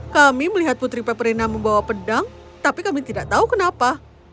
kami melihat putri peperina membawa pedang tapi kami tidak tahu kenapa